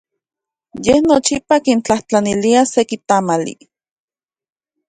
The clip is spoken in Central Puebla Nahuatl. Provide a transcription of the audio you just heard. Ye nochipa kintlajtlanilia seki tamali.